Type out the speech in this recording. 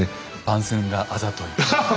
番宣があざとい。